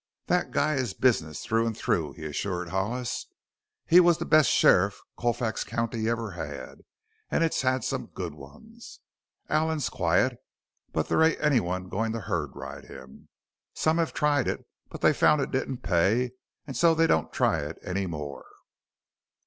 "That guy is business through and through," he assured Hollis. "He was the best sheriff Colfax County ever had and it's had some good ones. Allen's quiet, but there ain't anyone going to herdride him. Some have tried it, but they found it didn't pay and so they don't try it any more."